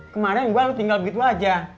kemarin gue tinggal begitu aja